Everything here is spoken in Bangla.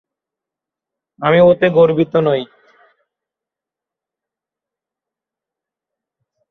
আমি ওতে গর্বিত নই।